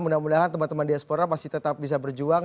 mudah mudahan teman teman diaspora masih tetap bisa berjuang